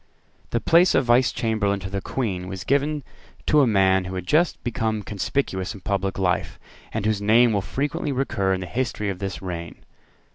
The place of Vice Chamberlain to the Queen was given to a man who had just become conspicuous in public life, and whose name will frequently recur in the history of this reign.